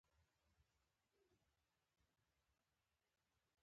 روژه د زړه پاکوالی راوړي.